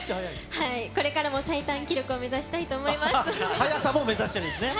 これからも最短記録を目指しはやさも目指してるんですね。